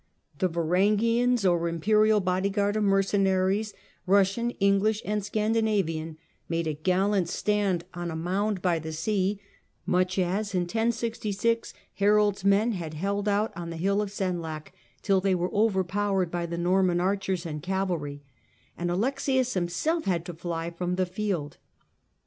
The *' Varangians," or Imperial ium'^losi bodyguard of mercenaries, Eussian, English and Scandi navian, made a gallant stand on a mound by the sea, much as, in 1066, Harold's men had held out on the hill of Senlac, till they were overpowered by the Norman archers and cavalry, and Alexius himself had to fly from the field.